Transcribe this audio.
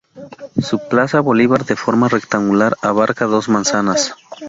Su plaza Bolívar de forma rectangular abarca dos manzanas.